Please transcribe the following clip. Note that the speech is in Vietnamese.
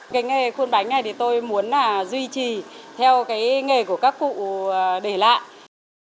cái nghề khuôn bánh này thì tôi muốn là duy trì theo cái nghề của các cụ để lại